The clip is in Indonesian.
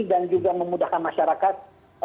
dan juga memudahkan masyarakat